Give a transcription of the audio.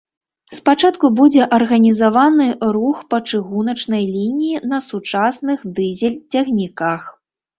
Спачатку будзе арганізаваны рух па чыгуначнай лініі на сучасных дызель-цягніках.